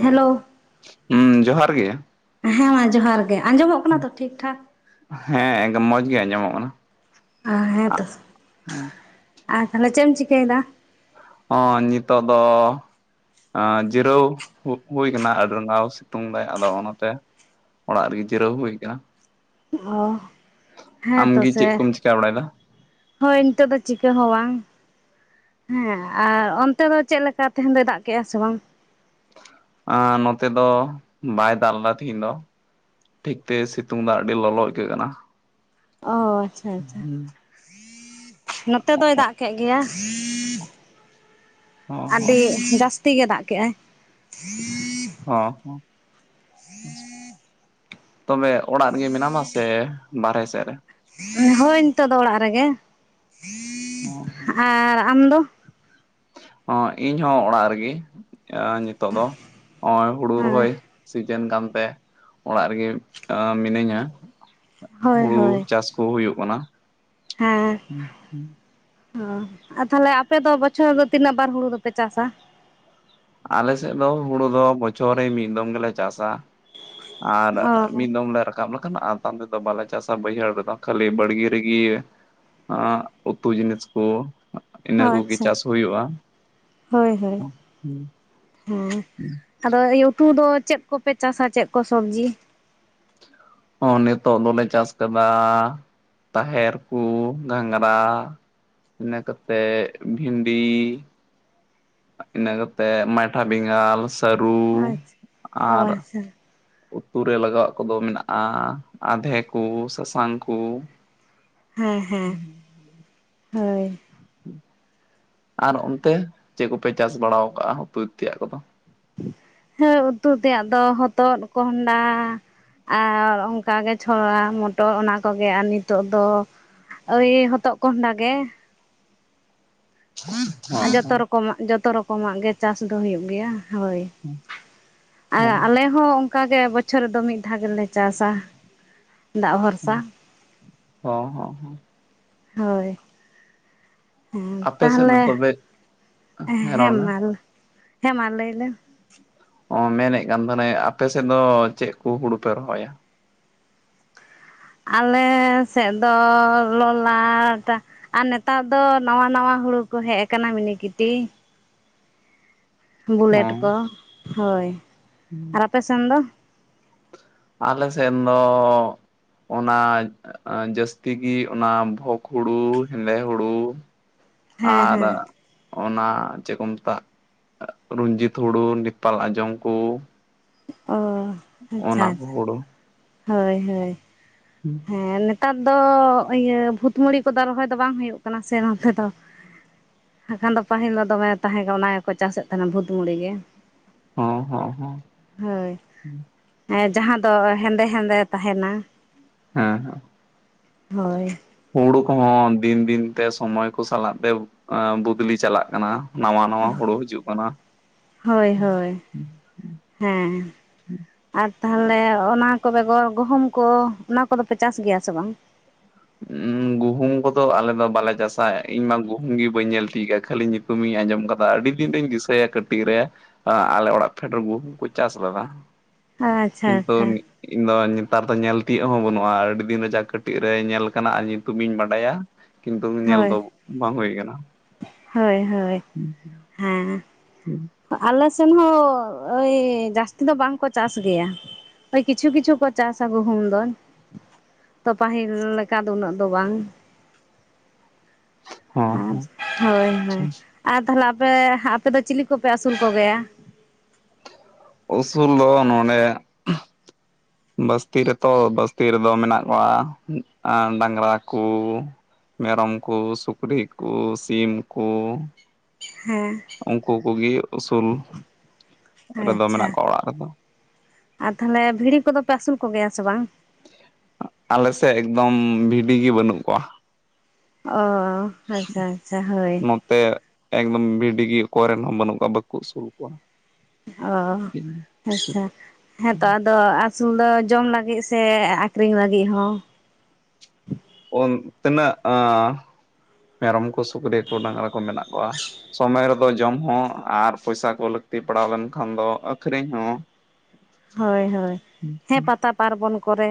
Hello, ᱦᱩᱸ ᱡᱚᱦᱟᱨ ᱜᱮ। ᱦᱮᱸ ᱢᱟ ᱡᱚᱦᱟᱨ ᱜᱮ ᱟᱸᱡᱚᱢᱚᱜ ᱠᱟᱱᱟ ᱛᱚ ᱴᱷᱤᱠ ᱴᱷᱟᱠ। ᱦᱮᱸ ᱮᱠᱫᱚᱢ ᱢᱚᱡᱽ ᱜᱮ ᱟᱸᱡᱚᱢᱚᱜ ᱠᱟᱱᱟ ᱚ ᱦᱮᱸᱛᱚ ᱟᱨ ᱛᱟᱦᱚᱞᱮ ᱪᱮᱫ ᱮᱢ ᱪᱤᱠᱟᱹᱭᱮᱫᱟ ᱚᱸ ᱱᱤᱛᱳᱜ ᱫᱚ ᱟᱸᱻᱡᱤᱨᱟᱹᱣ ᱦᱩᱭ ᱠᱟᱱᱟ ᱟᱹᱰᱤ [inaudible] ᱨᱜᱟᱣ ᱥᱤᱛᱩᱝ ᱫᱚ ᱟᱫᱚ ᱚᱱᱟᱛᱮ ᱚᱲᱟᱜ ᱨᱮᱜᱮ ᱡᱤᱨᱟᱹᱣ ᱦᱩᱭ ᱟᱠᱟᱱᱟ ᱦᱚ ᱦᱮᱸ ᱛᱚ ᱟᱢᱜᱮ ᱥᱮ ᱪᱮᱫ ᱠᱚᱢ ᱪᱤᱠᱟ ᱵᱟᱲᱟᱭᱮᱫᱟ ᱦᱳᱭ ᱱᱤᱛᱚᱜ ᱫᱚ ᱪᱤᱠᱟᱹ ᱦᱚᱸ ᱵᱟᱝ ᱦᱮᱸ ᱟᱨ ᱚᱱᱛᱮ ᱫᱚ ᱪᱮᱫ ᱞᱮᱠᱟ ᱛᱟᱦᱮᱱ ᱫᱚᱭ ᱫᱟᱜ ᱠᱮᱫᱼᱟ ᱥᱮ ᱵᱟᱝ ᱟᱸ ᱱᱚᱛᱮ ᱫᱚ ᱵᱟᱭ ᱫᱟᱜ ᱞᱮᱫᱟ ᱛᱤᱦᱤᱧ ᱫᱚ ᱴᱷᱤᱠ ᱛᱮ ᱥᱤᱛᱩᱝ ᱫᱟ ᱟᱹᱰᱤ ᱞᱚᱞᱚ ᱟᱹᱭᱠᱟᱹᱜ ᱠᱟᱱᱟ ᱚ ᱟᱪᱪᱷᱟ ᱟᱪᱪᱷᱟ ᱦᱚᱸ ᱱᱚᱛᱮ ᱫᱚᱭ ᱫᱟᱜ ᱠᱮᱫ ᱜᱮᱭᱟ ᱦᱚᱸ [inaudible] ᱟᱹᱰᱤ ᱡᱟᱹᱥᱛᱤ ᱛᱤ ᱜᱮ ᱫᱟᱜ ᱠᱮᱫ ᱟᱭ [inaudible] ᱚ ᱦᱚ ᱛᱚᱵᱮ ᱚᱲᱟᱜ ᱨᱮᱜᱮ ᱢᱮᱱᱟᱢᱟ ᱥᱮ ᱵᱟᱨᱦᱮ ᱥᱮᱫ ᱨᱮ [unintelligible] ᱦᱳᱭ ᱱᱤᱛᱚᱜᱜ ᱫᱚ ᱚᱲᱟᱜ ᱨᱮᱜᱮ [unintelligible] ᱟᱨ ᱟᱢ ᱫᱚ ᱚ ᱤᱧ ᱦᱚᱸ ᱚᱲᱟᱜ ᱨᱮᱜᱮ ᱱᱤᱛᱚᱜ ᱫᱚ ᱱᱚᱜᱼᱚᱭ ᱦᱩᱲᱩ ᱦᱳᱭ ᱨᱚᱦᱚᱭ ᱡᱤᱱ ᱠᱟᱱᱛᱮ ᱚᱲᱟᱜ ᱨᱮᱜᱮ ᱢᱤᱱᱟᱹᱧᱟ ᱦᱳᱭ ᱦᱩᱲᱩ ᱦᱳᱭ ᱪᱟᱥ ᱠᱚ ᱦᱩᱭᱩᱜ ᱠᱟᱱᱟᱹ ᱦᱮᱸ ᱚ ᱟᱨ ᱛᱟᱦᱞᱮ ᱟᱯᱮ ᱫᱚ ᱵᱚᱪᱷᱚᱨ ᱫᱚ ᱛᱤᱱᱟᱹᱜ ᱵᱟᱨ ᱦᱩᱲᱩ ᱫᱚᱯᱮ ᱪᱟᱥᱥᱟᱹ ᱟᱞᱮ ᱥᱮᱫ ᱫᱚ ᱦᱩᱲᱩ ᱫᱚ ᱵᱚᱪᱷᱚᱨ ᱨᱮ ᱢᱤᱫ ᱫᱚᱢ ᱜᱮᱞᱮ ᱪᱟᱥᱥᱟᱹ ᱟᱨ ᱚ ᱢᱤᱫ ᱫᱚᱢ ᱞᱮ ᱨᱠᱟᱵᱟ [inaudible] ᱟᱛᱟᱢ ᱛᱮᱫᱚ ᱵᱟᱞᱮ ᱪᱟᱥᱟ ᱵᱟᱹᱭᱦᱟᱹᱲ ᱨᱮᱫᱚ ᱠᱷᱟᱹᱞᱤ ᱵᱟᱲᱜᱮ ᱨᱮᱜᱮ ᱟ ᱩᱛᱩ ᱡᱤᱱᱤᱥ ᱠᱚ ᱤᱱᱟᱹ ᱠᱚᱜᱮ ᱪᱟᱥ ᱦᱩᱭᱩᱜᱼᱟ ᱦᱳᱭᱼᱦᱳᱭ ᱦᱩᱸ ᱦᱮᱸ [inaudible] ᱟᱫᱚ ᱩᱛᱩ ᱫᱚ ᱪᱮᱫ ᱠᱚᱯᱮ ᱪᱟᱥᱟ ᱪᱮᱫ ᱠᱚ ᱥᱚᱵᱽᱡᱤ ᱦᱚᱸ ᱱᱤᱛᱚᱜ ᱫᱚᱞᱮ ᱪᱟᱥ ᱠᱟᱫᱟᱻ ᱛᱟᱦᱮᱨ ᱠᱚ ᱜᱷᱟᱸᱝᱜᱽᱨᱟ ᱤᱱᱟᱹ ᱠᱟᱛᱮᱜᱻ ᱵᱷᱤᱱᱰᱤ ᱤᱱᱟᱹ ᱠᱟᱛᱮᱫ ᱢᱟᱭᱴᱷᱟ ᱵᱮᱸᱜᱟᱞ ᱥᱟᱹᱨᱩ ᱟᱪᱪᱷᱟ ᱚ ᱟᱨ ᱟᱪᱪᱷᱟ ᱩᱛᱩ ᱨᱮ ᱞᱟᱜᱟᱣᱟᱜ ᱠᱚᱫᱚ ᱢᱮᱱᱟᱜᱼᱟ ᱟᱹᱫᱷᱮ ᱠᱚ ᱥᱟᱥᱟᱝ ᱠᱚ ᱦᱮ ᱼᱦᱮᱸ ᱦᱳᱭ ᱟᱨ ᱚᱱᱛᱮ ᱪᱮᱫ ᱠᱚᱯᱮ ᱪᱟᱥ ᱵᱟᱲᱟᱣ ᱠᱟᱜᱼᱟ ᱩᱛᱩ ᱛᱮᱭᱟᱜ ᱠᱚᱫᱚ? ᱦᱮᱸ ᱩᱛᱩ ᱛᱮᱭᱟᱜ ᱫᱚ ᱦᱚᱛᱚᱫ ᱠᱚᱸᱦᱰᱟᱹ ᱟᱨ ᱚᱱᱠᱟᱜᱮ ᱪᱷᱚᱲᱟ ᱢᱚᱴᱚᱨ ᱚᱱᱟ ᱠᱚᱜᱮ ᱟᱨ ᱱᱤᱛᱚᱜ ᱫᱚ ᱳᱭ ᱦᱚᱛᱚᱜ ᱠᱚᱸᱦᱰᱟᱹ ᱜᱮ [inaudible] ᱟᱨ ᱡᱚᱛᱚ ᱨᱚᱠᱚᱢᱟᱜ ᱡᱚᱛᱚ ᱨᱚᱠᱚᱢᱟᱜ ᱜᱮ ᱪᱟᱥ ᱫᱚ ᱦᱩᱭᱩᱜ ᱜᱮᱭᱟ ᱦᱳᱭ ᱟᱨ ᱟᱞᱮ ᱦᱚᱸ ᱚᱱᱠᱟ ᱜᱮ ᱵᱚᱪᱷᱚᱨ ᱨᱮᱫᱚ ᱢᱤᱫ ᱫᱷᱟᱣ ᱜᱮᱞᱮ ᱪᱟᱥᱥᱟᱹ ᱫᱟᱜ ᱵᱷᱚᱨᱥᱟᱹ ᱚ ᱦᱚᱼᱦᱚ ᱦᱳᱭ ᱦᱮᱸ ᱟᱯᱮ ᱥᱮᱫ ᱫᱚ ᱛᱟᱦᱚᱞᱮ ᱛᱚᱵᱮ ᱨᱚᱲ ᱦᱮᱸ ᱢᱮ ᱢᱟ ᱦᱮᱸ ᱢᱟ ᱞᱟᱹᱭ ᱞᱮᱢ ᱚ ᱢᱮᱱᱮᱫ ᱠᱟᱱ ᱛᱟᱦᱮᱱᱟᱹᱧ ᱟᱯᱮ ᱥᱮᱫ ᱫᱚ ᱪᱮᱫ ᱠᱚ ᱦᱩᱲᱩ ᱯᱮ ᱨᱚᱦᱚᱭᱟᱹ? ᱟᱞᱮ ᱥᱮᱫ ᱫᱚ ᱞᱚᱞᱟᱴ ᱟᱨ ᱱᱮᱛᱟᱨ ᱫᱚ ᱱᱟᱶᱟ ᱱᱟᱣᱟ ᱦᱩᱲᱩ ᱠᱚ ᱦᱮᱡ ᱟᱠᱟᱱᱟ ᱢᱤᱱᱤᱠᱤᱴᱤ ᱵᱩᱞᱮᱴ ᱦᱮᱸ ᱠᱚ ᱦᱳᱭ ᱟᱨ ᱟᱯᱮ ᱥᱮᱱ ᱫᱚ ᱟᱞᱮ ᱥᱮᱱ ᱫᱚᱻ ᱚᱱᱟ ᱡᱟᱹᱥᱛᱤ ᱜᱮᱤ ᱚᱱᱟ ᱵᱷᱚᱠ ᱦᱩᱲᱩ ᱦᱮᱸᱫᱮ ᱦᱩᱲᱩ ᱦᱮᱸ ᱟᱨ ᱦᱮᱸ ᱚᱱᱟ ᱪᱮᱜ ᱠᱚ ᱢᱮᱛᱟᱹᱜ ᱨᱚᱧᱡᱤᱛ ᱦᱩᱲᱩ ᱱᱮᱯᱟᱞ ᱟᱸᱡᱚᱢ ᱠᱚ ᱚ ᱟᱪᱪᱷᱟ ᱼ ᱚᱱᱟ ᱠᱚ ᱟᱪᱪᱷᱟ ᱦᱩᱲᱩ ᱦᱳᱭᱼᱦᱳᱭ ᱦᱩᱸ ᱦᱮᱸ ᱱᱮᱛᱟᱨ ᱫᱚ ᱤᱭᱟᱹ ᱵᱷᱩᱛ ᱢᱩᱲᱤ ᱠᱚᱫᱚ ᱨᱚᱦᱚᱭ ᱫᱚ ᱵᱟᱝ ᱦᱩᱭᱩᱜ ᱠᱟᱱᱟ ᱥᱮ ᱱᱚᱛᱮ ᱫᱚ ᱦᱟᱠᱷᱟᱱ ᱫᱚ ᱯᱟᱹᱦᱤᱞ ᱫᱚ ᱫᱚᱢᱮ ᱛᱟᱦᱮᱸ ᱠᱟᱱᱟ ᱚᱱᱟ ᱜᱮᱠᱚ ᱪᱟᱥ ᱮᱫ ᱛᱟᱦᱮᱱ ᱵᱷᱩᱛ ᱢᱩᱩᱲᱤ ᱜᱮ ᱦᱚᱸ ᱦᱚᱸ ᱦᱚᱸ ᱦᱳᱭ ᱡᱟᱦᱟᱸ ᱫᱚ ᱦᱮᱸᱫᱮ ᱦᱮᱸᱫᱮ ᱛᱟᱦᱮᱱᱼᱟ ᱦᱮᱸ ᱦᱮᱸ ᱦᱳᱭ ᱦᱩᱲᱩ ᱠᱚᱦᱚᱸ ᱫᱤᱱ ᱫᱤᱱ ᱛᱮ ᱥᱚᱢᱚᱭ ᱠᱚ ᱥᱟᱞᱟᱜ ᱛᱮ ᱵᱚᱫᱞᱤ ᱪᱟᱞᱟᱜ ᱠᱟᱱᱟᱹ ᱱᱟᱣᱟᱹ ᱱᱟᱣᱟᱹ ᱦᱩᱲᱩ ᱦᱤᱡᱩᱜ ᱠᱟᱱᱟᱹ ᱦᱳᱭ ᱦᱳᱭ ᱦᱮᱸ ᱟᱨ ᱛᱟᱦᱚᱞᱮ ᱚᱱᱟ ᱠᱚ ᱵᱮᱜᱚᱨ ᱜᱩᱦᱩᱢ ᱠᱚ ᱚᱱᱟ ᱠᱚᱫᱚ ᱯᱮ ᱪᱟᱥ ᱜᱮᱭᱟ ᱥᱮ ᱵᱟᱝ? ᱜᱩᱦᱩᱢ ᱠᱚᱫᱚ ᱟᱞᱮ ᱫᱚ ᱵᱟᱞᱮ ᱪᱟᱥ ᱟ ᱤᱧ ᱢᱟ ᱜᱩᱦᱩᱢ ᱜᱮ ᱵᱟᱹᱧ ᱧᱮᱞ ᱴᱷᱤᱠ ᱟ ᱠᱷᱟᱹᱞᱤ ᱧᱩᱛᱩᱢ ᱧᱩᱛᱩᱢᱤᱧ ᱟᱸᱡᱚᱢ ᱠᱟᱫᱟ ᱟᱹᱰᱤ ᱫᱤᱱ ᱨᱤᱧ ᱫᱤᱥᱟᱹᱭ ᱟ ᱠᱟᱹᱴᱤᱡ ᱨᱮ ᱟᱞᱮ ᱚᱲᱟᱜ ᱯᱷᱮᱰ ᱨᱮ ᱜᱩᱦᱩᱢ ᱠᱚ ᱪᱟᱥ ᱞᱮᱫᱟ ᱟᱪᱪᱷᱟ ᱠᱤᱱᱛᱩ ᱟᱪᱪᱷᱟ ᱤᱧ ᱫᱚ ᱱᱮᱛᱟᱨ ᱫᱚ ᱧᱮᱞ ᱛᱤᱭᱳᱜ ᱦᱚᱸ ᱵᱟᱹᱱᱩᱜᱼᱟ ᱟᱹᱰᱤ ᱫᱤᱱ ᱨᱮ ᱡᱟ ᱠᱟᱹᱴᱤᱡ ᱨᱮ ᱧᱮᱞ ᱠᱟᱱᱟ ᱟᱨ ᱧᱩᱛᱩᱢ ᱤᱧ ᱵᱟᱰᱟᱭᱟ ᱠᱤᱱᱛᱩ ᱧᱮᱞ ᱫᱚ ᱦᱳᱭ ᱵᱟᱝ ᱦᱩᱭ ᱠᱟᱱᱟ ᱦᱳᱭ ᱦᱳᱭ ᱦᱩᱸ ᱦᱩᱸ ᱦᱮᱸ ᱟᱞᱮ ᱥᱮᱱ ᱦᱚᱸ ᱳᱭ ᱡᱟᱹᱥᱛᱤ ᱫᱚ ᱵᱟᱝ ᱠᱚ ᱪᱟᱥ ᱜᱮᱭᱟ ᱠᱤᱪᱷᱩ ᱠᱤᱪᱷᱩ ᱠᱚ ᱪᱟᱥᱟ ᱜᱩᱦᱩᱢ ᱫᱚ ᱛᱚ ᱯᱟᱹᱦᱤᱞ ᱞᱮᱠᱟ ᱫᱚ ᱩᱱᱟᱹᱜ ᱫᱚ ᱵᱟᱝ ᱦᱚᱸ ᱟᱪᱪᱷᱟ ᱟᱨ ᱦᱳᱭ ᱦᱳᱭ ᱟᱨ ᱛᱟᱦᱚᱞᱮ ᱟᱯᱮ ᱟᱯᱮ ᱫᱚ ᱪᱤᱞᱤ ᱠᱚᱯᱮ ᱟᱹᱥᱩᱞ ᱠᱚ ᱜᱮᱭᱟ ᱩᱥᱩᱞ ᱫᱚ ᱱᱚᱸᱰᱮ ᱵᱟᱹᱥᱛᱤ ᱨᱮᱛᱚ ᱵᱟᱹᱥᱛᱤ ᱨᱮᱫᱚ ᱢᱮᱱᱟᱜ ᱠᱚᱣᱟ ᱰᱟᱝᱨᱟ ᱠᱩ ᱢᱮᱨᱚᱢ ᱠᱩ ᱥᱩᱠᱨᱤ ᱠᱩ ᱥᱤᱢ ᱠᱩ ᱦᱮᱸ ᱩᱱᱠᱩ ᱠᱩᱜᱮ ᱩᱥᱩᱞ ᱨᱮᱫᱚ ᱟᱪᱪᱷᱟ ᱢᱮᱱᱟᱜ ᱠᱚᱣᱟ ᱚᱲᱟᱜ ᱨᱮᱫᱚ ᱟᱨ ᱛᱟᱦᱚᱞᱮ ᱵᱷᱤᱲᱤ ᱠᱚᱫᱚ ᱯᱮ ᱟᱹᱥᱩᱞ ᱠᱚ ᱜᱮᱭᱟ ᱥᱮ ᱵᱟᱝ ᱟᱞᱮ ᱥᱮᱜ ᱮᱠᱫᱚᱢ ᱵᱷᱤᱰᱤ ᱜᱤ ᱵᱟᱹᱱᱩᱜ ᱠᱚᱣᱟ ᱚ ᱟᱪᱪᱷᱟ ᱟᱪᱪᱷᱟ ᱦᱳᱭ ᱛᱮ ᱮᱠᱫᱚᱢ ᱵᱷᱤᱰᱤ ᱜᱤ ᱚᱠᱚᱭ ᱨᱮᱱ ᱦᱚᱸ ᱵᱟᱹᱱᱩᱜ ᱠᱚᱣᱟ ᱵᱟᱠᱚ ᱟᱹᱥᱩᱞ ᱠᱚᱣᱟ ᱚ ᱟᱪᱪᱷᱟ ᱦᱮᱸᱛᱚ ᱟᱫᱚ ᱟᱹᱥᱩᱞ ᱫᱚ ᱡᱚᱢ ᱞᱟᱹᱜᱤᱫ ᱥᱮ ᱟᱹᱠᱷᱨᱤᱧ ᱞᱟᱹᱜᱤᱫ ᱦᱚᱸ ᱩᱱ ᱛᱤᱱᱟᱹᱜ ᱢᱮᱨᱚᱢ ᱠᱚ ᱥᱩᱠᱨᱤ ᱠᱚ ᱰᱟᱝᱨᱟ ᱠᱚ ᱢᱮᱱᱟᱜ ᱠᱚᱣᱟ ᱥᱚᱢᱚᱭ ᱨᱮᱫᱚ ᱡᱚᱢ ᱦᱚᱸ ᱟᱨ ᱯᱚᱭᱥᱟ ᱠᱚ ᱞᱟᱹᱠᱛᱤ ᱯᱟᱲᱟᱣ ᱞᱮᱱᱠᱷᱟᱱ ᱫᱚ ᱟᱹᱠᱷᱨᱤᱧ ᱦᱚᱸ ᱦᱳᱭ ᱦᱳᱭ ᱦᱮᱸ ᱯᱟᱛᱟ ᱯᱟᱨᱵᱚᱱ ᱠᱚ ᱨᱮ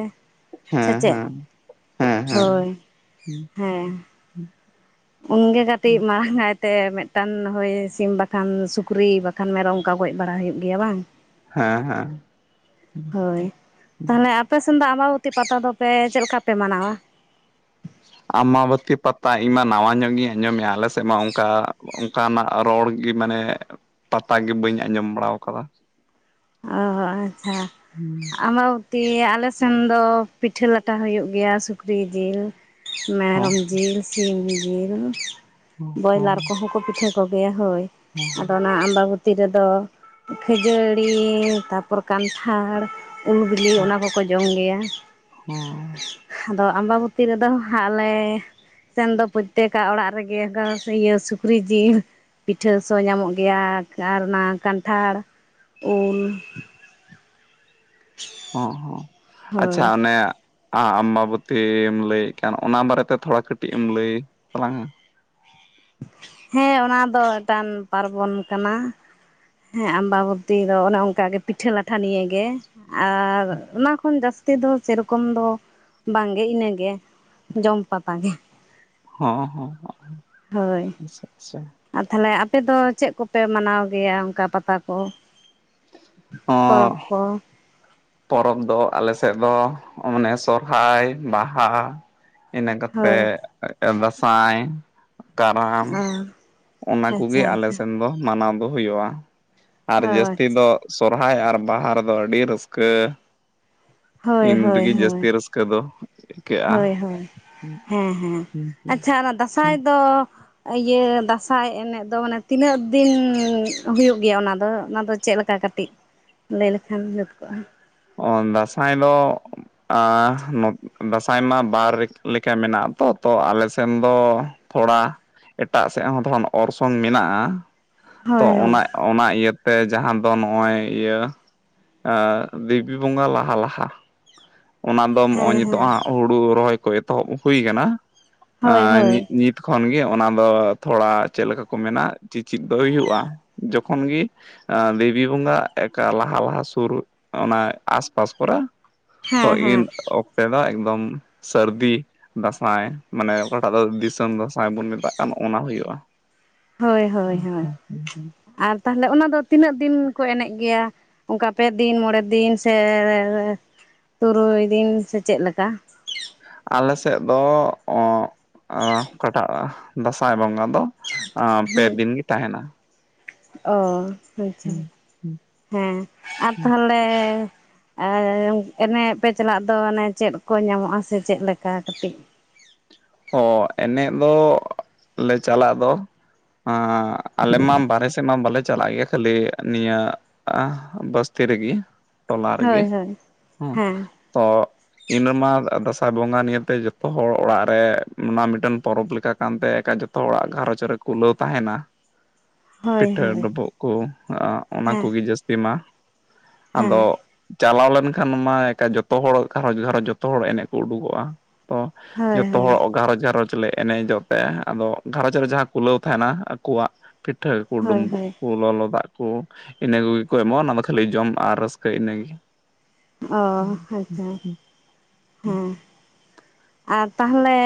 ᱥᱮ ᱦᱮᱸ ᱪᱮᱫ ᱦᱮᱸ ᱦᱮᱸ ᱦᱮᱸ ᱦᱳᱭ ᱦᱮᱸ ᱩᱱ ᱜᱮ ᱠᱟᱹᱴᱤᱡ ᱢᱟᱨᱟᱝ ᱟᱭᱛᱮ ᱢᱤᱫᱴᱟᱝ ᱦᱚᱭ ᱥᱤᱢ ᱵᱟᱠᱷᱟᱱ ᱥᱩᱠᱨᱤ ᱵᱟᱠᱷᱟᱱ ᱵᱟᱠᱷᱟᱱ ᱢᱮᱨᱚᱢ ᱚᱱᱠᱟ ᱜᱚᱡ ᱵᱟᱲᱟ ᱦᱩᱭᱩᱜ ᱜᱮᱭᱟ ᱵᱟᱝ ᱦᱮᱸ ᱦᱮᱸ ᱦᱳᱭ ᱛᱟᱦᱚᱞᱮ ᱟᱯᱮ ᱥᱮᱱ ᱫᱚ ᱟᱢᱵᱟᱵᱚᱛᱤ ᱯᱟᱛᱟ ᱫᱚᱯᱮ ᱪᱮᱫ ᱞᱮᱠᱟ ᱯᱮ ᱢᱟᱱᱟᱣ ᱟ ᱟᱢᱵᱟᱹᱵᱚᱛᱤ ᱯᱟᱛᱟ ᱤᱧ ᱢᱟ ᱱᱟᱣᱟ ᱧᱚᱜ ᱜᱤᱧ ᱟᱸᱡᱚᱢ ᱮᱜᱼᱟ ᱟᱞᱮ ᱥᱮᱫ ᱢᱟ ᱚᱱᱠᱟ ᱚᱱᱠᱟᱱᱼᱟᱜ ᱨᱚᱲ ᱜᱮ ᱢᱟᱱᱮ ᱯᱟᱛᱟ ᱜᱮ ᱵᱟᱹᱧ ᱟᱸᱡᱚᱢ ᱵᱟᱲᱟᱣ ᱠᱟᱫᱟ ᱚ ᱟᱪᱪᱷᱟ ᱟᱢ ᱫᱤ ᱟᱞᱮ ᱥᱮᱱ ᱫᱚ ᱯᱤᱴᱷᱟᱹ ᱞᱟᱴᱷᱟ ᱦᱩᱭᱩᱜ ᱜᱮᱭᱟ ᱥᱩᱠᱨᱤ ᱡᱤᱞ ᱦᱚᱸ ᱢᱮᱨᱚᱢ ᱡᱤᱞ, ᱥᱤᱢ ᱡᱤᱞ, ᱵᱚᱭᱞᱟᱨ ᱠᱚ ᱦᱚᱸ ᱠᱚ ᱯᱤᱴᱷᱟᱹ ᱠᱚ ᱜᱮᱭᱟ ᱦᱳᱭ ᱟᱫᱚ ᱚᱱᱟ ᱟᱢᱵᱟᱵᱚᱛᱤ ᱨᱮᱫᱚ ᱠᱷᱟᱹᱡᱟᱹᱲ ᱲᱤ ᱛᱟᱨᱯᱚᱨ ᱠᱟᱱᱴᱷᱟᱲ ᱩᱞ ᱵᱤᱞᱤ ᱚᱱᱟ ᱠᱚ ᱠᱚ ᱡᱚᱢ ᱜᱮᱭᱟ ᱦᱩᱸ ᱟᱫᱚ ᱟᱢᱵᱟᱵᱚᱛᱤ ᱨᱮᱫᱚ ᱦᱟᱸᱜ ᱞᱮ ᱥᱮᱱ ᱫᱚ ᱯᱨᱚᱛᱛᱮᱠᱟᱜ ᱚᱲᱟᱜ ᱨᱮ ᱜᱮ ᱜᱷᱟ ᱤᱭᱟᱹ ᱥᱩᱠᱨᱤ ᱡᱤᱞ ᱯᱤᱴᱷᱟᱹ ᱥᱚ ᱧᱟᱢᱚᱜ ᱜᱮᱭᱟ ᱟᱨ ᱚᱱᱟ ᱠᱟᱱᱴᱷᱟᱲ ᱩᱞ ᱚ ᱦᱚᱸ ᱟᱪᱪᱷᱟ ᱦᱳᱭ ᱚᱱᱮ ᱟᱢᱵᱟᱵᱚᱛᱤᱢ ᱞᱟᱹᱭᱮᱫ ᱠᱟᱱ ᱚᱱᱟ ᱵᱟᱨᱮ ᱛᱮ ᱛᱷᱚᱲᱟ ᱠᱟᱹᱴᱤᱡ ᱮᱢ ᱞᱟᱹᱭ ᱛᱟᱞᱟᱝᱼᱟ ᱦᱮᱸ ᱚᱱᱟ ᱫᱚ ᱢᱤᱫᱴᱟᱝ ᱯᱟᱨᱵᱚᱱ ᱠᱟᱱᱟ ᱦᱮᱸ ᱟᱢᱵᱟᱵᱚᱛᱤ ᱫᱚ ᱚᱱᱮ ᱚᱱᱠᱟ ᱜᱮ ᱯᱤᱴᱷᱟᱹ ᱞᱟᱴᱷᱟ ᱱᱤᱭᱮ ᱜᱮ ᱟᱨ ᱚᱱᱟ ᱠᱷᱚᱱ ᱡᱟᱹᱥᱛᱤ ᱫᱚ ᱥᱮᱨᱚᱠᱚᱢ ᱫᱚ ᱵᱟᱝ ᱜᱮ ᱤᱱᱟᱹ ᱜᱮ ᱡᱚᱢ ᱯᱟᱛᱟ ᱜᱮ ᱦᱚᱸ ᱦᱚᱸ ᱦᱳᱭ [unintelligible] ᱟᱨ ᱛᱟᱦᱚᱞᱮ ᱟᱯᱮ ᱫᱚ ᱪᱮᱫ ᱠᱚᱯᱮ ᱢᱟᱱᱟᱣ ᱜᱮᱭᱟ ᱚᱱᱠᱟ ᱯᱟᱛᱟ ᱠᱚ? ᱦᱚᱸ ᱯᱚᱨᱚᱵ ᱠᱚ, ᱯᱚᱨᱚᱵᱽ ᱫᱚ ᱟᱞᱮ ᱥᱮᱫ ᱫᱚ ᱢᱟᱱᱮ ᱥᱚᱨᱦᱟᱭ, ᱵᱟᱦᱟ, ᱤᱱᱟᱹ ᱦᱳᱭ ᱠᱟᱛᱮᱜ ᱫᱟᱸᱥᱟᱭ, ᱠᱟᱨᱟᱢ, ᱚ ᱚᱱᱟ ᱠᱚᱜᱮ ᱟᱪᱪᱷᱟ ᱟᱞᱮ ᱟᱪᱪᱷᱟ ᱥᱮᱱ ᱫᱚ ᱢᱟᱱᱟᱣ ᱫᱚ ᱦᱩᱭᱩᱜᱼᱟ᱾ ᱟᱨ ᱚ ᱡᱟᱹᱥᱛᱤ ᱟᱪᱪᱷᱟ ᱫᱚ ᱥᱚᱨᱦᱟᱭ ᱟᱨ ᱵᱟᱦᱟ ᱨᱮᱫᱚ ᱟᱹᱰᱤ ᱨᱟᱹᱥᱠᱟᱹ, ᱦᱳᱭ ᱤᱱ ᱦᱳᱭ ᱨᱮᱜᱮ ᱦᱳᱭ ᱡᱟᱹᱥᱛᱤ ᱨᱟᱹᱥᱠᱟᱹ ᱫᱚ ᱟᱹᱭᱠᱟᱹᱜᱼᱟ᱾ ᱦᱳᱭ ᱦᱳᱭ ᱦᱮᱸ ᱦᱮᱸ ᱟᱪᱪᱷᱟ ᱚᱱᱟ ᱫᱟᱸᱥᱟᱭ ᱫᱚ ᱤᱭᱟᱹ ᱫᱟᱸᱥᱟᱭ ᱮᱱᱮᱡ ᱫᱚ ᱢᱟᱱᱮ ᱛᱤᱱᱟᱹᱜ ᱫᱤᱱ ᱦᱩᱭᱩᱜ ᱜᱮᱭᱟ? ᱚᱱᱟ ᱫᱚ ᱚᱱᱟ ᱫᱚ ᱪᱮᱫ ᱞᱮᱠᱟ ᱠᱟᱹᱴᱤᱡ ᱞᱟᱹᱭ ᱞᱮᱠᱷᱟᱱ ᱡᱩᱛ ᱠᱚᱜᱼᱟ᱾ ᱚ ᱫᱟᱸᱥᱟᱭ ᱫᱚ ᱟᱸᱻ ᱱᱚᱛ ᱫᱟᱸᱥᱟᱭ ᱢᱟ ᱵᱟᱨ ᱞᱮᱠᱟ ᱢᱮᱱᱟᱜ ᱟᱛᱚ ᱛᱚ ᱟᱞᱮ ᱥᱮᱱ ᱫᱚ ᱛᱷᱚᱲᱟ, ᱮᱴᱟᱜ ᱥᱮᱫ ᱦᱚᱸ ᱫᱷᱚᱱ ᱚᱨᱥᱚᱝ ᱢᱮᱱᱟᱜᱼᱟ᱾ ᱛᱚ ᱦᱳᱭ ᱦᱳᱭ ᱚᱱᱟ ᱚᱱᱟ ᱤᱭᱟᱹᱛᱮ ᱡᱟᱦᱟᱸ ᱫᱚ ᱱᱚᱜᱼᱚᱭ ᱤᱭᱟᱹ ᱮᱸᱜ, ᱫᱮᱵᱤ ᱵᱚᱸᱜᱟ ᱞᱟᱦᱟ ᱞᱟᱦᱟ ᱚᱱᱟ ᱫᱚ ᱱᱚᱜᱼᱚᱭ ᱦᱮᱸ ᱱᱤᱛᱚᱜ ᱦᱮᱸ ᱦᱚᱸᱜ ᱦᱩᱲᱩ ᱨᱚᱦᱚᱭ ᱠᱚ ᱮᱛᱚᱦᱚᱵ ᱦᱩᱭ ᱟᱠᱟᱱᱟ ᱟ ᱦᱳᱭ ᱦᱳᱭ ᱧᱤ ᱦᱮᱸ ᱧᱤᱛ ᱠᱷᱚᱱ ᱜᱮ ᱚᱱᱟ ᱫᱚ ᱛᱷᱚᱲᱟ ᱪᱮᱫ ᱞᱮᱠᱟ ᱠᱚ ᱢᱮᱱᱟ ᱪᱤᱪᱤᱛ ᱫᱚ ᱦᱩᱭᱩᱜᱼᱟ, ᱡᱚᱠᱷᱚᱱ ᱜᱮ ᱫᱮᱵᱤ ᱵᱚᱸᱜᱟ ᱮᱠᱟ ᱞᱟᱦᱟ ᱞᱟᱦᱟ ᱥᱩᱨ ᱚᱱᱟ ᱟᱥᱯᱟᱥ ᱠᱚᱨᱮ ᱛᱚ ᱦᱮᱸ ᱤᱱ ᱚᱠᱛᱮ ᱫᱚ ᱮᱠᱫᱚᱢ ᱥᱟᱹᱨᱫᱤ ᱫᱟᱸᱥᱟᱭ ᱢᱟᱱᱮ ᱚᱠᱟᱴᱟᱜ ᱫᱚ ᱫᱤᱥᱚᱢ ᱫᱟᱸᱥᱟᱭ ᱵᱚᱱ ᱢᱮᱛᱟᱜ ᱠᱟᱱ ᱚᱱᱟ ᱦᱩᱭᱩᱜᱼᱟ᱾ ᱦᱳᱭ ᱦᱳᱭ ᱦᱳᱭ ᱟᱨ ᱛᱟᱦᱚᱞᱮ ᱚᱱᱟ ᱫᱚ ᱛᱤᱱᱟᱹᱜ ᱫᱤᱱ ᱠᱚ ᱮᱱᱮᱡ ᱜᱮᱭᱟ? ᱚᱱᱠᱟ ᱯᱮ ᱫᱤᱱ ᱢᱚᱬᱮ ᱫᱤᱱ ᱥᱮᱻ ᱛᱩᱨᱩᱭ ᱫᱤᱱ ᱥᱮ ᱪᱮᱫ ᱞᱮᱠᱟ? ᱟᱞ ᱥᱮᱫ ᱫᱚ ᱚ ᱠᱟᱴᱟᱜ ᱫᱟᱸᱥᱟᱭ ᱵᱚᱸᱜᱟ ᱫᱚ ᱟᱸ ᱯᱮ ᱦᱮᱸ ᱫᱤᱱ ᱜᱮ ᱛᱟᱦᱮᱱᱟ᱾ ᱚ ᱟᱪᱪᱷᱟ ᱦᱮᱸ ᱟᱨ ᱛᱟᱦᱚᱞᱮᱻ ᱟᱨ ᱮᱱᱮᱡ ᱯᱮ ᱪᱟᱞᱟᱜ ᱫᱚ ᱚᱱᱮ ᱪᱮᱫ ᱠᱚ ᱧᱟᱢᱚᱜᱼᱟ ᱥᱮ ᱪᱮᱫ ᱞᱮᱠᱟ ᱠᱟᱹᱴᱤᱡ ᱚ ᱮᱱᱮᱡ ᱫᱚ ᱞᱮ ᱪᱟᱞᱟᱜ ᱫᱚ, ᱦᱮᱸ ᱟᱞᱮ ᱢᱟ ᱵᱟᱦᱨᱮ ᱥᱮᱫ ᱢᱟ ᱵᱟᱞᱮ ᱪᱟᱞᱟᱜ ᱜᱮᱭᱟ ᱠᱷᱟᱹᱞᱤ ᱱᱤᱭᱟᱹ ᱵᱟᱥᱛᱤ ᱨᱮᱜᱮ ᱴᱚᱞᱟ ᱦᱳᱭ ᱨᱮᱜᱮ ᱦᱳᱭ ᱦᱮ, ᱸ ᱦᱮᱸ ᱛᱚ ᱤᱱᱟᱹ ᱢᱟ ᱫᱟᱸᱥᱟᱭ ᱵᱚᱸᱜᱟ ᱱᱤᱭᱮᱛᱮ ᱡᱚᱛᱚ ᱦᱚᱲ ᱚᱲᱟᱜ ᱨᱮ ᱯᱮ ᱚᱱᱟ ᱢᱤᱫᱴᱮᱱ ᱯᱚᱨᱚᱵᱽ ᱞᱮᱠᱟ ᱠᱟᱱᱛᱮ ᱮᱠᱧ ᱡᱚᱛᱚ ᱦᱚᱲᱟᱜ ᱜᱷᱟᱨᱚᱸᱧᱡᱽ ᱨᱮ ᱠᱩᱞᱟᱹᱣ ᱛᱟᱦᱮᱱᱟ᱾ ᱦᱳᱭ ᱯᱤᱴᱷᱟᱹ ᱦᱳᱭ ᱰᱩᱵᱩᱜ ᱠᱚ ᱟ ᱚᱱᱟ ᱦᱮᱸ ᱠᱚᱜᱮ ᱡᱟᱹᱥᱛᱤ ᱢᱟ᱾ ᱦᱮᱸ ᱟᱫᱚ ᱪᱟᱞᱟᱣ ᱞᱮᱱᱠᱷᱟᱱ ᱢᱟ ᱮᱠᱟ ᱡᱚᱛᱚ ᱦᱚᱲ ᱜᱷᱟᱨᱚᱸᱡᱽ ᱜᱷᱟᱨᱚᱸᱡᱽ ᱡᱚᱛᱚ ᱦᱚᱲ ᱮᱱᱮᱜ ᱠᱚ ᱩᱰᱩᱠᱚᱜᱼᱟ᱾ ᱛᱚ ᱦᱳᱭ ᱡᱚᱛ ᱦᱳᱭ ᱜᱷᱟᱨᱚᱸᱡᱽ ᱜᱷᱟᱨᱚᱸᱡᱽ ᱞᱮ ᱮᱱᱮᱡᱚᱜ ᱛᱮ ᱟᱫᱚ ᱜᱷᱟᱚᱸᱡᱽ ᱨᱮ ᱡᱟᱦᱟᱸ ᱠᱩᱞᱟᱹᱣ ᱛᱟᱦᱮᱱᱟ ᱟᱠᱚᱣᱟᱜ ᱯᱤᱴᱷᱟᱹ ᱠᱩ ᱦᱳᱭ ᱰᱩᱢᱵᱩᱜ ᱦᱳᱭ ᱠᱩ ᱞᱚᱞᱚ ᱫᱟᱜ ᱠᱩ ᱤᱱᱟᱹ ᱠᱚᱜᱮ ᱠᱚ ᱮᱢᱚᱜᱼᱟ᱾ ᱚᱱᱟ ᱫᱚ ᱠᱷᱟᱹᱞᱤ ᱡᱚᱢ ᱟᱨ ᱨᱟᱹᱥᱠᱟᱹ ᱤᱱᱟᱹᱜᱮ᱾ ᱚ ᱟᱪᱪᱷᱟ ᱦᱮᱸ᱾ ᱟᱨ ᱛᱟᱦᱚᱞᱮ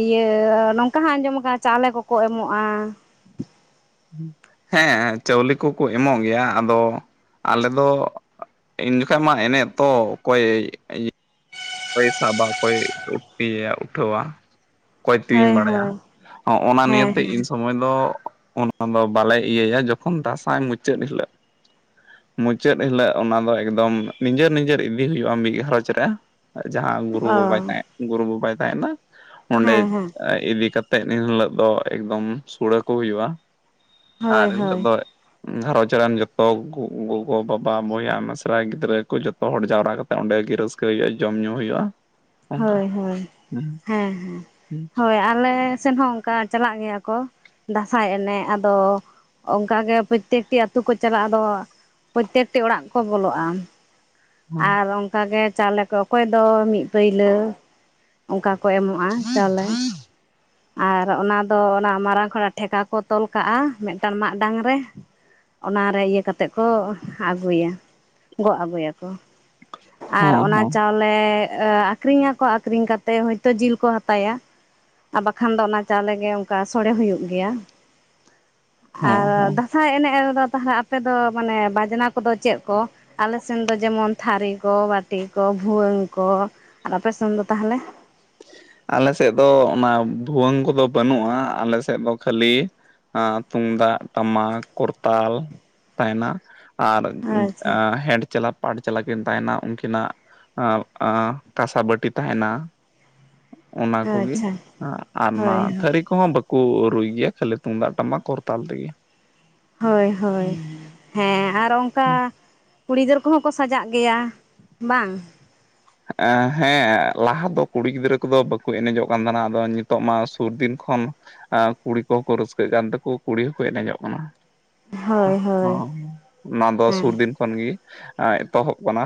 ᱤᱭᱟᱹ ᱱᱚᱝᱠᱟ ᱦᱟᱸᱜ ᱟᱸᱡᱚᱢ ᱠᱟᱱᱟ ᱪᱟᱣᱞᱮ ᱠᱚᱠᱚ ᱮᱢᱚᱜᱼᱟ᱾ ᱦᱮᱸ ᱪᱟᱣᱞᱮ ᱠᱚᱠᱚ ᱮᱢᱚᱜ ᱜᱮᱭᱟ ᱟᱫᱚ ᱟᱞᱮ ᱫᱚ ᱤᱱᱡᱚᱠᱷᱟᱡ ᱢᱟ ᱮᱱᱮᱜ ᱛᱚ ᱚᱠᱚᱭ ᱤᱭ ᱚᱠᱚᱭ ᱥᱟᱵᱟ ᱠᱚᱭ ᱤᱭᱟᱹᱭᱟ ᱩᱴᱷᱣᱟ? ᱠᱚᱭ ᱛᱤᱣᱤᱧ ᱦᱳᱭ ᱵᱟᱲᱟᱭᱟ ᱦᱳᱭ ᱦᱚᱜᱼᱟ ᱱᱟ ᱦᱮᱸ ᱱᱤᱭᱟᱹᱛᱮ ᱦᱮᱸ ᱤᱱᱥᱚᱢᱚᱭ ᱫᱚ ᱚᱱᱟ ᱫᱚ ᱵᱟᱞᱮ ᱤᱭᱟᱹᱭᱟ ᱡᱚᱠᱷᱚᱱ ᱫᱟᱸᱥᱟᱭ ᱢᱩᱪᱟᱹᱫ ᱦᱤᱞᱟᱹᱜ ᱢᱩᱪᱟᱹᱫ ᱦᱤᱞᱟᱹᱜ ᱚᱱᱟ ᱫᱚ ᱮᱠᱫᱚᱢ ᱱᱤᱡᱮᱨ ᱱᱤᱡᱮᱨ ᱤᱫᱤ ᱦᱩᱭᱩᱜᱼᱟ᱾ ᱢᱤᱜ ᱜᱷᱟᱨᱚᱸᱡᱽ ᱨᱮ᱾ ᱡᱟᱦᱟᱸ ᱜᱩᱨᱩ ᱚ ᱵᱟᱵᱟᱭ ᱛᱟᱦᱮᱸ ᱜᱩᱨᱩ ᱵᱟᱵᱟᱭ ᱛᱟᱦᱮᱱᱟ ᱚᱸᱰᱮ ᱦᱮᱸ ᱦᱮᱸ ᱤᱫᱤ ᱠᱟᱛ ᱛᱮᱜ ᱤᱱ ᱦᱤᱞᱳᱜ ᱫᱚ ᱮᱠᱫᱚᱢ ᱥᱩᱲᱟᱹ ᱠᱚ ᱦᱩᱭᱩᱜᱼᱟ᱾ ᱟᱨ ᱦᱳᱭ ᱤᱱ ᱦᱤᱞᱳᱜ ᱦᱳᱭ ᱫᱚ ᱜᱷᱟᱨᱚᱧᱡᱽ ᱨᱮᱱ ᱡᱚᱛᱚ ᱠᱩ ᱜᱚᱜᱚᱼᱵᱟᱵᱟ ᱵᱚᱭᱦᱟ ᱢᱮᱥᱨᱟ ᱜᱤᱫᱽᱨᱟᱹ ᱠᱚ ᱡᱚᱛᱚ ᱦᱚᱲ ᱡᱟᱣᱨᱟ ᱠᱟᱛᱮᱜ ᱚᱸᱰᱮ ᱜᱮ ᱨᱟᱹᱥᱠᱟᱹ ᱦᱩᱭᱩᱜᱼᱟ, ᱡᱚᱢᱼ ᱧᱩ ᱦᱩᱭᱩᱜᱼᱟ᱾ ᱚᱱᱠᱟ ᱦᱳᱭ ᱦᱳᱭ ᱦᱚᱸ ᱦᱮᱸ ᱦᱳᱭ ᱟᱞᱮ ᱥᱮᱱ ᱦᱚᱸ ᱠᱟ ᱪᱟᱞᱟᱜ ᱜᱮᱭᱟ ᱠᱚ, ᱫᱟᱸᱥᱟᱭ ᱮᱱᱮᱜ ᱟᱫᱚ ᱚᱝᱠᱟᱜᱮ ᱯᱚᱛᱮᱠᱴᱤ ᱟᱛᱩ ᱠᱚ ᱪᱟᱞᱟᱜᱼᱟ ᱟᱫᱚ ᱯᱚᱛᱮᱠᱴᱤ ᱚᱲᱟᱜ ᱠᱚ ᱵᱚᱞᱚᱜᱼᱟ᱾ ᱟᱨ ᱚᱝᱠᱟᱜᱮ ᱪᱟᱣᱞᱮ ᱠᱚ ᱚᱠᱚᱭ ᱫᱚ ᱢᱤᱜ ᱯᱟᱹᱭᱞᱟᱹ ᱚᱝᱠᱟ ᱠᱚ ᱮᱢᱚᱜᱼᱟ, ᱪᱟᱣᱞᱮ᱾ ᱟᱨ ᱚᱱᱟ ᱫᱚ ᱚᱱᱟ ᱢᱟᱨᱟᱝ ᱠᱷᱚᱲᱟ ᱴᱷᱮᱠᱟ ᱠᱚ ᱛᱚᱞ ᱠᱟᱜᱼᱟ ᱢᱮᱜᱴᱟᱝ ᱢᱟᱫ ᱰᱟᱝ ᱨᱮ᱾ ᱚᱱᱟ ᱨᱮ ᱤᱭᱟᱹ ᱠᱟᱛᱮᱜ ᱠᱚ ᱟᱹᱜᱩᱭᱟ ᱜᱚᱜ ᱟᱹᱜᱩᱭᱟᱠᱚ᱾ ᱟᱨ ᱦᱚᱸ ᱚᱱᱟ ᱪᱟᱣᱞᱮ ᱟᱠᱷᱨᱤᱧᱟᱠᱚ ᱟᱠᱷᱨᱤᱧ ᱠᱟᱛᱮ ᱦᱳᱭᱛᱳ ᱡᱤᱞ ᱠᱚ ᱦᱟᱛᱟᱭᱟ᱾ ᱟᱨ ᱵᱟᱠᱷᱟᱱ ᱫᱚ ᱚᱱᱟ ᱪᱟᱣᱞᱮ ᱜᱮ ᱚᱝᱠᱟ ᱥᱚᱲᱮ ᱦᱩᱭᱩᱜ ᱜᱮᱭᱟ᱾ ᱦᱚᱸ ᱟᱨ ᱦᱚᱸ ᱫᱷᱟ ᱥᱟᱸᱭ ᱮᱱᱮᱜ ᱨᱮᱫᱚ ᱛᱟᱦᱚᱞᱮ ᱟᱯᱮ ᱫᱚ ᱢᱟᱱᱮ ᱵᱟᱡᱽᱱᱟ ᱠᱚᱫᱚ ᱪᱮᱜ ᱠᱚ? ᱟᱞᱮᱥᱱ ᱫᱚ ᱡᱮᱢᱚᱱ ᱛᱷᱟᱨᱤ ᱠᱚ ᱵᱟᱹᱴᱤ ᱠᱚ ᱵᱷᱩᱣᱟᱹᱝ ᱠᱚ ᱟᱨ ᱟᱯᱮᱥᱱ ᱫᱚ ᱛᱟᱦᱚᱞᱮ? ᱟᱞᱮ ᱥᱮᱜ ᱫᱚ ᱚᱱᱟ ᱵᱷᱩᱣᱟᱹᱝ ᱠᱚᱫᱚ ᱵᱟᱹᱱᱩᱜᱼᱟ᱾ ᱟᱞᱮ ᱥᱮᱜ ᱫᱚ ᱠᱷᱟᱹᱞᱤ ᱮ ᱛᱩᱢᱫᱟᱜ ᱴᱟᱢᱟᱠ ᱠᱚᱨᱛᱟᱞ ᱛᱟᱦᱮᱱᱟ᱾ ᱟᱨ ᱟᱪᱪᱷᱟ ᱦᱮᱸᱰ ᱪᱮᱞᱟ ᱯᱟᱴ ᱪᱮᱞᱟ ᱠᱤᱱ ᱛᱟᱦᱮᱱᱟ ᱩᱝᱠᱤᱱᱟᱜ ᱮᱸ ᱮᱸ ᱛᱟᱥᱟ ᱵᱟᱹᱴᱤ ᱛᱟᱦᱮᱱᱟ᱾ ᱚᱱᱟ ᱠᱩᱜᱤ ᱟᱪᱪᱷᱟ ᱟ ᱟᱨ ᱚᱱᱟ ᱦᱳᱭ ᱛᱷᱟᱹᱨᱤ ᱠᱚᱦᱚᱸ ᱵᱟᱹᱠᱩ ᱨᱩᱭ ᱜᱮᱭᱟ, ᱠᱷᱟᱹᱞᱤ ᱛᱩᱢᱫᱟᱜ ᱴᱟᱢᱟᱠ ᱠᱚᱨᱛᱟᱞ ᱛᱮᱜᱮ᱾ ᱦᱳᱭ ᱦᱳᱭ ᱦᱮᱸ ᱟᱨ ᱚᱝᱠᱟ ᱠᱩᱲᱤ ᱜᱤᱫᱟᱹᱨ ᱠᱚᱦᱚᱸ ᱠᱚ ᱥᱟᱡᱟᱜ ᱜᱮᱭᱟ ᱵᱟᱝ? ᱮ ᱦᱮᱸ ᱞᱟᱦᱟ ᱫᱚ ᱠᱩᱲᱤ ᱜᱤᱫᱽᱨᱟᱹ ᱠᱚᱫᱚ ᱵᱟᱹᱠᱩ ᱮᱱᱮᱡᱚᱜ ᱠᱟᱱ ᱛᱟᱦᱮᱱᱟ, ᱟᱫᱚ ᱱᱤᱛᱚᱜ ᱢᱟ ᱥᱩᱨ ᱫᱤᱱ ᱠᱷᱚᱱ ᱟ ᱠᱩᱲᱤ ᱠᱚᱦᱚᱸ ᱠᱚ ᱨᱟᱹᱥᱠᱟᱹᱜ ᱠᱟᱱ ᱛᱮᱠᱚ ᱠᱩᱲᱤ ᱦᱚᱸᱠᱚ ᱮᱱᱮᱡᱚᱜ ᱠᱟᱱᱟ᱾ ᱦᱳᱭ ᱦᱳᱭ ᱚᱱᱟ ᱫᱚ ᱦᱮᱸ ᱥᱩᱨ ᱫᱤᱱ ᱠᱷᱚᱱ ᱜᱮ ᱟᱸ ᱮᱛᱚᱦᱚᱵ ᱠᱟᱱᱟ᱾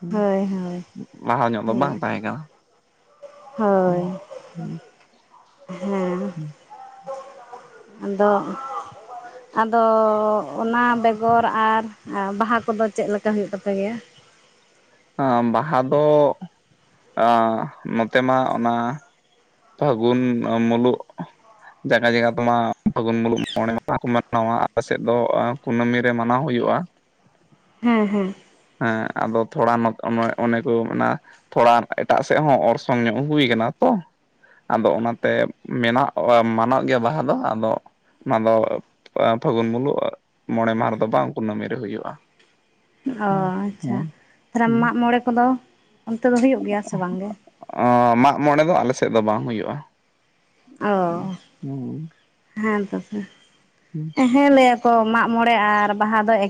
ᱦᱩᱸ ᱦᱳᱭ ᱦᱳᱭ ᱞᱟᱦᱟ ᱧᱚᱜ ᱫᱚ ᱦᱳᱭ ᱵᱟᱝ ᱛᱟᱦᱮᱸ ᱠᱟᱱᱟ᱾ ᱦᱳᱭ ᱦᱮᱸ ᱟᱫᱚ ᱟᱫᱚ ᱚᱱᱟ ᱵᱮᱜᱚᱨ ᱟᱨ ᱵᱟᱦᱟ ᱠᱚᱫᱚ ᱪᱮᱜ ᱞᱮᱠᱟ ᱦᱩᱭᱩᱜ ᱛᱟᱯᱮ ᱜᱮᱭᱟ? ᱟᱸ ᱵᱟᱦᱟ ᱫᱚ ᱱᱚᱛᱮ ᱢᱟ ᱚᱱᱟ ᱯᱷᱟᱹᱜᱩᱱ ᱢᱩᱞᱩᱜ᱾ ᱡᱟᱜᱟ ᱡᱟᱜᱟ ᱛᱮᱢᱟ ᱯᱷᱟᱹᱜᱩᱱ ᱢᱩᱞᱩᱜ ᱢᱚᱬᱮ ᱢᱟᱦᱟ ᱠᱚ ᱢᱟᱱᱟᱣᱟ ᱟᱞᱮ ᱥᱮᱜ ᱫᱚ ᱠᱩᱱᱟᱹᱢᱤ ᱨᱮ ᱢᱟᱱᱟᱣ ᱦᱩᱭᱩᱜᱼᱟ᱾ ᱦᱮᱸ ᱦᱮᱸ ᱦᱮᱸ ᱟᱫᱚ ᱛᱷᱚᱲᱟ ᱱᱚ ᱚᱱᱮ ᱚᱱᱮ ᱠᱚ ᱢᱮᱱᱟ ᱛᱷᱚᱲᱟ ᱮᱴᱟᱜ ᱥᱮᱫ ᱦᱚᱸ ᱚᱨᱥᱚᱝ ᱧᱚᱜ ᱦᱩᱭ ᱠᱟᱱᱟ ᱛᱚ᱾ ᱟᱫᱚ ᱚᱱᱟᱛᱮ ᱢᱮᱱᱟᱜ ᱢᱟᱱᱚᱜ ᱜᱮᱭᱟ ᱵᱟᱦᱟ ᱫᱚ ᱟᱫᱚ ᱾ ᱚᱱᱟ ᱫᱚ ᱯᱷᱟᱹᱜᱩᱱ ᱢᱩᱞᱩᱜ ᱢᱚᱬᱮ ᱢᱟᱦᱟ ᱨᱮᱫᱚ ᱵᱟᱝ ᱠᱩᱱᱟᱹᱢᱤ ᱨᱮ ᱦᱩᱭᱩᱜᱼᱟ ᱾ ᱚ ᱟᱪᱪᱷᱟ ᱛᱷᱚᱨᱟᱢ ᱦᱮᱸ ᱢᱟᱜᱢᱚᱬᱮ ᱠᱚᱫᱚ ᱚᱱᱛᱮ ᱫᱚ ᱦᱳᱭᱳᱜ ᱜᱮᱭᱟ ᱥᱮ ᱵᱟᱝ ᱜᱮ? ᱢᱟᱜ ᱢᱚᱬᱮ ᱫᱚ ᱟᱞᱮ ᱥᱮᱫ ᱫᱚ ᱵᱟᱝ ᱦᱩᱭᱩᱜᱼᱟ ᱚ ᱦᱩᱸ ᱦᱩᱸ ᱦᱮᱸ ᱛᱚᱵᱮ [inaudible] ᱦᱮᱸ ᱞᱮᱹᱭᱟᱠᱚ ᱢᱟᱜ ᱢᱚᱬᱮ ᱟᱨ ᱵᱟᱦᱟ ᱫᱚ ᱮᱠ ᱼᱼ